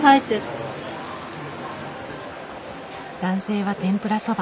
男性は天ぷらそば。